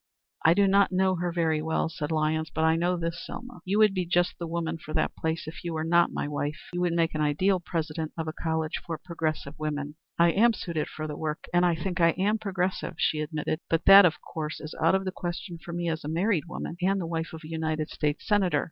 "I do not know her very well," said Lyons. "But I know this, Selma, you would be just the woman for the place if you were not my wife. You would make an ideal president of a college for progressive women." "I am suited for the work, and I think I am progressive," she admitted. "But that, of course, is out of the question for me as a married woman and the wife of a United States Senator.